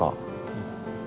うん。